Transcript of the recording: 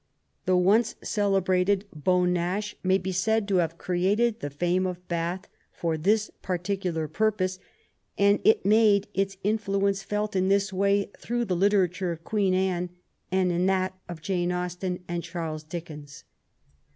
The once celebrated Beau Nash 27 i THE RBION OF QUEEN ANNE maj' be said to have created the fame of Bath for this particular purpose, and it made its influence felt in this way through the literature of Queen Anne and in that of Jane Austen and Charles Dickens.